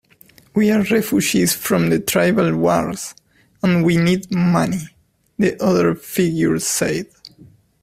"We're refugees from the tribal wars, and we need money," the other figure said.